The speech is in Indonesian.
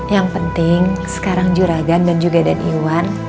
yang penting sekarang juragan dan juga dan iwan